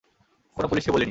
কোনো পুলিশকে বলিনি।